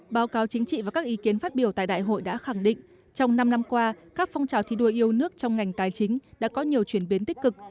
báo cáo chính trị và các ý kiến phát biểu tại đại hội đã khẳng định trong năm năm qua các phong trào thi đua yêu nước trong ngành tài chính đã có nhiều chuyển biến tích cực